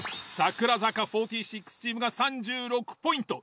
櫻坂４６チームが３６ポイント。